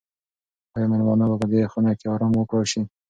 آیا مېلمانه به په دې خونه کې ارام وکړای شي؟